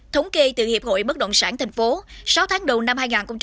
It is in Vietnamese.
thống kê từ hiệp hội bất động sản thành phố sáu tháng đầu năm hai nghìn một mươi chín